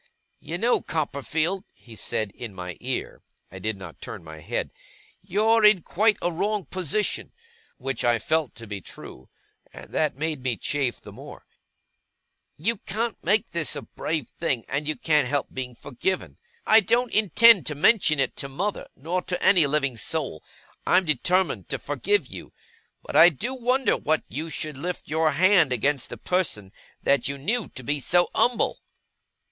'You know, Copperfield,' he said, in my ear (I did not turn my head), 'you're in quite a wrong position'; which I felt to be true, and that made me chafe the more; 'you can't make this a brave thing, and you can't help being forgiven. I don't intend to mention it to mother, nor to any living soul. I'm determined to forgive you. But I do wonder that you should lift your hand against a person that you knew to be so umble!